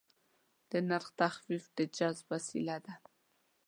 د نرخ تخفیف د جذب وسیله ده.